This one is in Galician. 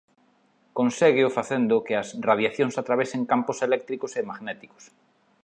Conségueo facendo que as radiacións atravesen campos eléctricos e magnéticos.